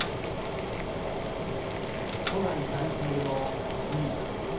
都内在住の堀井さん。